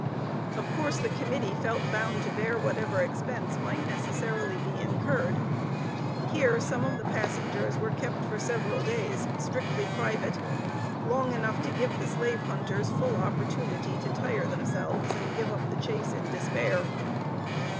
Of course the Committee felt bound to bear whatever expense might necessarily be incurred. Here some of the passengers were kept for several days, strictly private, long enough to give the slave hunters full opportunity to tire themselves, and give up the chase in despair.